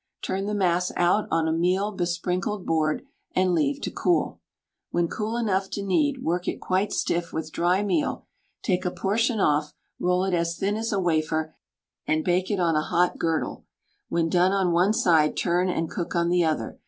Turn the mass out on a meal besprinkled board and leave to cool. When cool enough to knead, work it quite stiff with dry meal, take a portion off, roll it as thin as a wafer, and bake it on a hot girdle; when done on one side, turn and cook on the other.